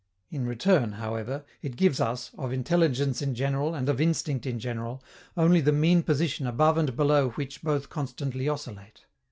In return, however, it gives us, of intelligence in general and of instinct in general, only the mean position above and below which both constantly oscillate.